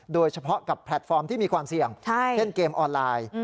โดยเฉพาะกับแพลตฟอร์มที่มีความเสี่ยงเช่นเกมออนไลน์